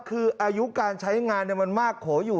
คืออายุการใช้งานมันมากโขอยู่